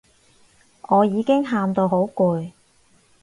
我已經喊到好攰